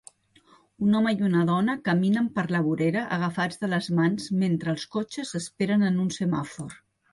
Un home i una dona caminen per la vorera agafats de les mans mentre els cotxes esperen en un semàfor.